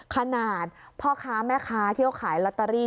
ขนาดพ่อค้าแม่ค้าที่เขาขายลอตเตอรี่